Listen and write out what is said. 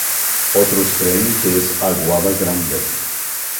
Otros creen que es Aguada Grande.